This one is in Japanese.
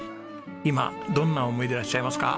今どんな思いでいらっしゃいますか？